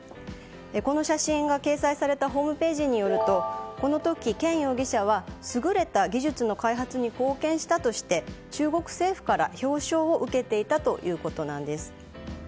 この写真が掲載されたホームページによるとこの時、ケン容疑者は優れた技術の開発に貢献したとして中国政府から表彰を受けていたということなんです。